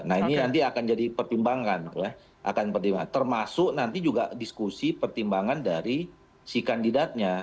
nah ini nanti akan jadi pertimbangan ya akan pertimbangan termasuk nanti juga diskusi pertimbangan dari si kandidatnya